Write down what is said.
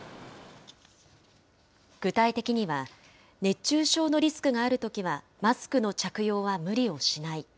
具体的には、熱中症のリスクがあるときは、マスクの着用は無理をしない。